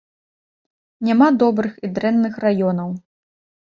Няма добрых і дрэнных раёнаў.